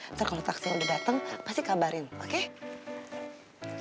ntar kalo taksi udah dateng pasti kita bisa jalanin ke sana ya kan